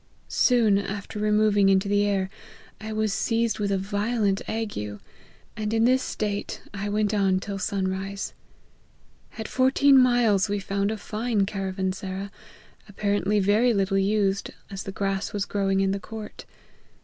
Soon after removing into the air, I was seized with a violent ague, and in this state I went on till sun rise. At fourteen miles, we found a fine caravansera, apparently very little used, as the grass was growing in the court.